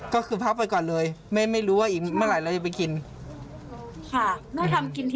ค่ะเมื่อทำกินที่บ้านน่าจะสะอาดกว่ะ